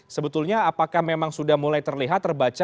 sebetulnya apakah memang sudah mulai terlihat terbaca